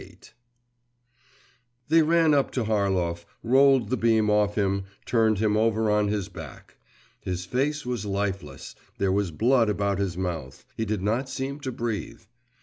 XXVIII They ran up to Harlov, rolled the beam off him, turned him over on his back. His face was lifeless, there was blood about his mouth; he did not seem to breathe.